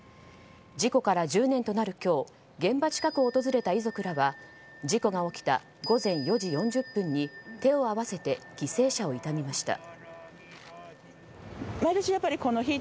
事故から１０年となる今日現場近くを訪れた遺族らは事故が起きた午前４時４０分に手を合わせて犠牲者を悼みました。